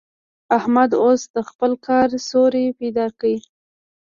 احمد اوس د خپل کار سوری پيدا کړ.